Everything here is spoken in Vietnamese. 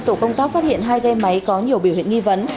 tổ công tác phát hiện hai ghe máy có nhiều biểu hiện nghi vấn